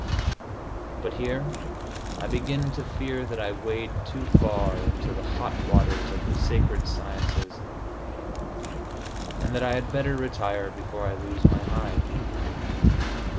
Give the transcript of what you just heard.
But here I begin to fear that I wade too far into the hot waters of the sacred sciences, and that I had better retire before I lose my hide.